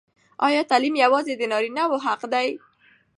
ایا تعلیم یوازې د نارینه وو حق دی؟